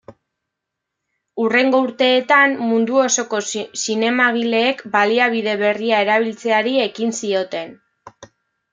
Hurrengo urteetan, mundu osoko zinemagileek baliabide berria erabiltzeari ekin zioten.